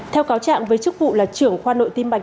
theo cáo chạm với chức vụ là trưởng khoa nội tim mạch